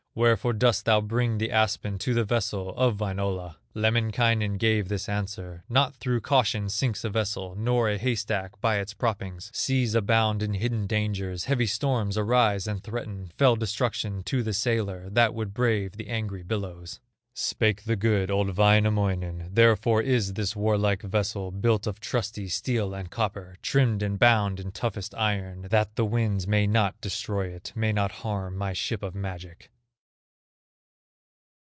Wherefore dost thou bring the aspen To the vessel of Wainola?" Lemminkainen gave this answer: "Not through caution sinks a vessel, Nor a hay stack by its proppings; Seas abound in hidden dangers, Heavy storms arise and threaten Fell destruction to the sailor That would brave the angry billows." Spake the good, old Wainamoinen: "Therefore is this warlike vessel Built of trusty steel and copper, Trimmed and bound in toughest iron, That the winds may not destroy it, May not harm my ship of magic."